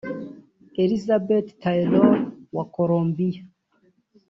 Elizabeth Taylor wa Colombia